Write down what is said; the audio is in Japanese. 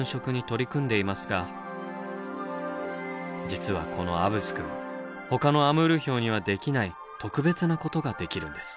実はこのアブスくんほかのアムールヒョウにはできない特別なことができるんです。